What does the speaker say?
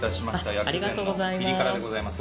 薬膳のピリ辛でございます。